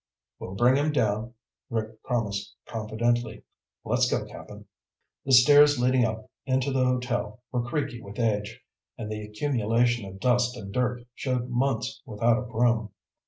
"We'll bring him down," Rick promised confidently. "Let's go, Cap'n." The stairs leading up into the hotel were creaky with age, and the accumulation of dust and dirt showed months without a broom.